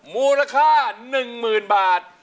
มูลค่า๑หมื่นบาท